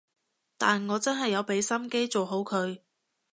但我真係有畀心機做好佢